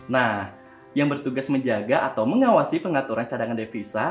nah yang bertugas menjaga atau mengawasi pengaturan cadangan devisa